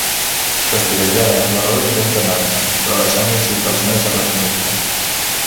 Fastiguejada, la Rhoda intenta anar-se'n, però la Sandy incita els nois a retenir-la.